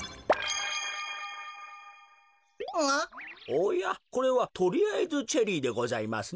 おやこれはとりあえずチェリーでございますね。